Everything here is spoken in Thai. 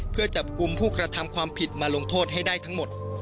เพื่อจับกลุ่มผู้กระทำความผิดมาลงโทษให้ได้ทั้งหมด